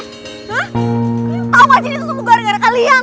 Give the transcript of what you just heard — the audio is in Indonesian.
tau gak sih ini semua gara gara kalian